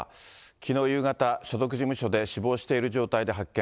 きのう夕方、所属事務所で死亡している状態で発見。